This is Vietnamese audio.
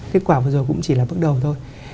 kết quả vừa rồi cũng chỉ là bước đầu thôi